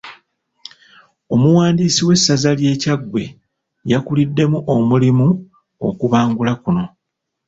Omuwandiisi w'essaza ly'e Kyaggwe y'akuliddemu omulimu okubangula kuno.